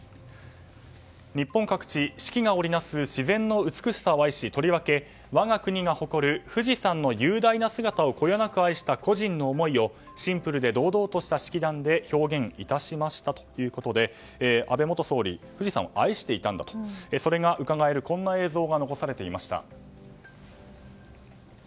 日本各地、四季が織りなす自然の美しさを愛しとりわけ我が国が誇る富士山の雄大な姿をこよなく愛した故人の思いをシンプルで堂々とした式壇で表現いたしましたということで安倍元総理、富士山を愛していたんだとそれがうかがえるこんな映像が残されていました。